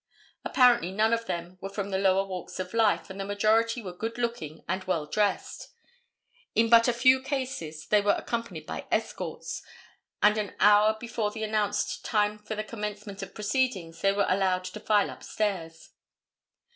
Apparently none of them were from the lower walks of life and the majority were good looking and well dressed. In but a very few cases were they accompanied by escorts, and an hour before the announced time for the commencement of proceedings they were allowed to file up stairs.